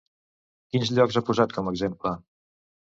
Quins llocs ha posat com a exemple?